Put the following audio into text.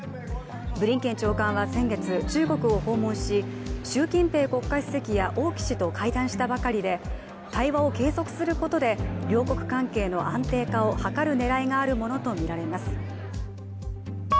ブリンケン長官は先月、中国を訪問し習近平国家主席や王毅氏と会談したばかりで対話を継続することで、両国関係の安定化を図る狙いがあるものとみられます。